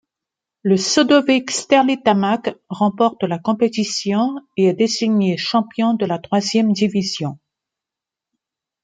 Le Sodovik Sterlitamak remporte la compétition et est désigné champion de la troisième division.